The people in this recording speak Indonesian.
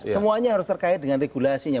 semuanya harus terkait dengan regulasinya